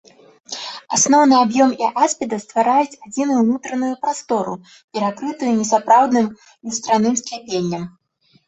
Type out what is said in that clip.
Асноўны аб'ём і апсіда ствараюць адзіную ўнутраную прастору, перакрытую несапраўдным люстраным скляпеннем.